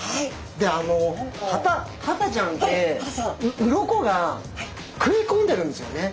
でハタちゃんってうろこが食い込んでるんですよね。